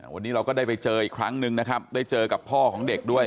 วันนี้เราก็ได้ไปเจออีกครั้งหนึ่งนะครับได้เจอกับพ่อของเด็กด้วย